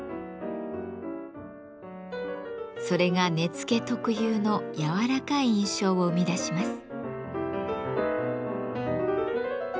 それが根付特有の柔らかい印象を生み出します。